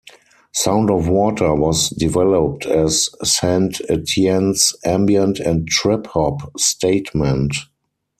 "Sound of Water" was developed as Saint Etienne's ambient and trip hop statement.